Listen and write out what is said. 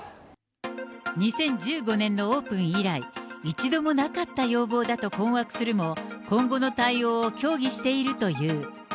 ２０１５年のオープン以来、一度もなかった要望だと困惑するも、今後の対応を協議しているという。